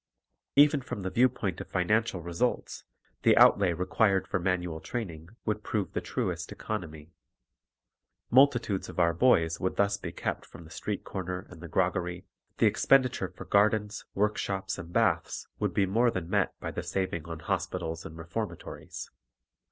Even from the view point of financial results, the outlay required for manual training would prove the truest economy. Multitudes of our boys would thus be kept from the street corner and the groggery; the expenditure for gardens, workshops, and baths would be more than met by the saving on hospitals and reformatories.